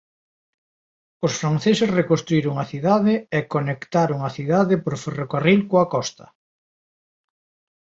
Os franceses reconstruíron a cidade e conectaron a cidade por ferrocarril coa costa.